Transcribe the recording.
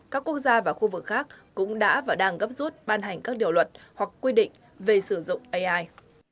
các quốc gia và khu vực khác cũng đã và đang gấp rút ban hành các điều luật hoặc quy định về sử dụng ai